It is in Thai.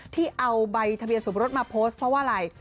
ที่เอาใบทะเบียนสมรสมาโพสต์เพราะว่าอะไร